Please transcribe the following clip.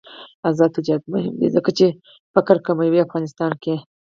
آزاد تجارت مهم دی ځکه چې فقر کموي افغانستان کې.